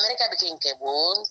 mereka bikin kebu